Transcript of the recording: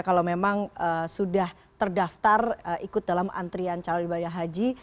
kalau memang sudah terdaftar ikut dalam antrian calon ibadah haji